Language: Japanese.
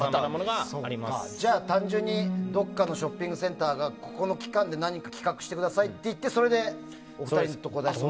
単純にどこかのショッピングセンターがここの期間で何か企画してくださいっていってそれで、やるっていう。